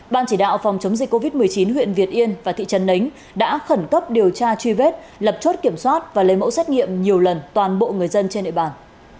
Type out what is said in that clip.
ban chỉ đạo phòng chống dịch covid một mươi chín huyện việt yên và thị trấn nấnh đã khẩn cấp điều tra truy vết lập chốt kiểm soát và lấy mẫu xét nghiệm nhiều lần toàn bộ người dân trên địa bàn